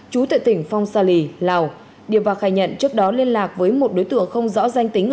chú tại tỉnh phong sa lì lào điều ba khai nhận trước đó liên lạc với một đối tượng không rõ danh tính